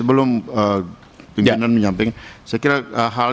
yang berkaitan pertanyaan atau permohonan konfirmasi tadi yang saya sampaikan yang terakhir